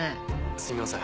すみません